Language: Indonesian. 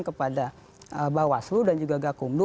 kepada bawaslu dan juga gakumdu